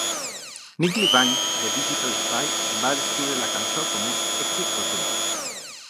Nick Levine de "Digital Spy" va descriure la cançó com "un èxit rotund.